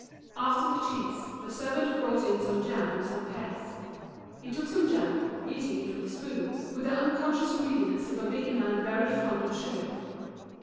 After the cheese, the servant brought in some jam and some pears. He took some jam, eating it with a spoon, with the unconscious greediness of a big man very fond of sugar.